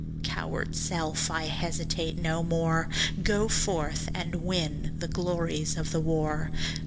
coward self I hesitate no more; Go forth, and win the glories of the war.